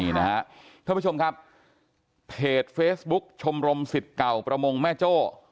นี่นะฮะท่านผู้ชมครับเพจเฟซบุ๊คชมรมสิทธิ์เก่าประมงแม่โจ้